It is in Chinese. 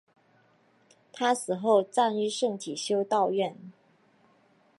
她死后葬于圣体修道院。